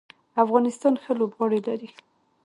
افغانستان ښه لوبغاړي لري.